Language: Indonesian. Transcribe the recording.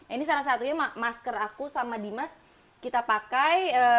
ini salah satunya masker aku sama dimas kita pakai